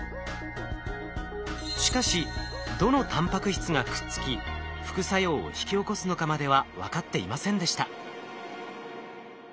しかしどのタンパク質がくっつき副作用を引き起こすのかまでは分かっていませんでした。